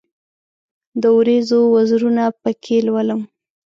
د اوریځو وزرونه پکښې لولم